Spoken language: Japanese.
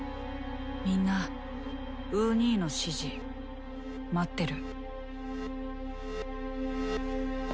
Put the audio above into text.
みんなウー兄の指示待ってる。